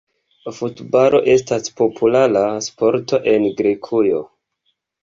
Futbalo estas populara sporto en Grekujo.